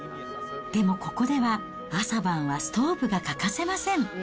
でもここでは、朝晩はストーブが欠かせません。